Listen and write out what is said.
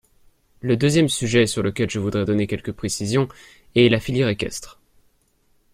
Le deuxième sujet sur lequel je voudrais donner quelques précisions est la filière équestre.